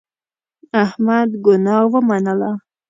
احمد ګناه ومنله.